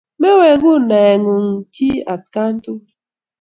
Meweku neing'unyng'unyi atkan tukul.